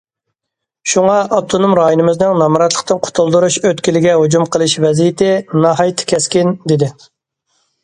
شۇڭا، ئاپتونوم رايونىمىزنىڭ نامراتلىقتىن قۇتۇلدۇرۇش ئۆتكىلىگە ھۇجۇم قىلىش ۋەزىيىتى ناھايىتى كەسكىن، دېدى.